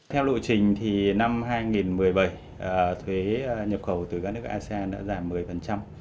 theo lộ trình thì năm hai nghìn một mươi bảy thuế nhập khẩu từ các nước asean đã giảm một mươi